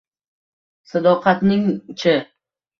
Sadoqatning-chi?